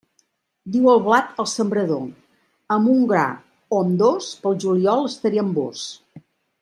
Diu el blat al sembrador: amb un gra o amb dos, pel juliol estaré amb vós.